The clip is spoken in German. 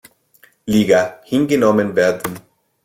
Liga, hingenommen werden.